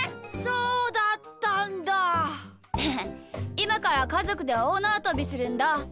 いまからかぞくでおおなわとびするんだ。